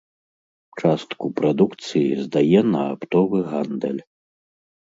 Частку прадукцыі здае на аптовы гандаль.